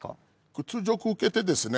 屈辱を受けてですね